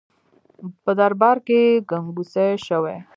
په دربار کې ګنګوسې شوې.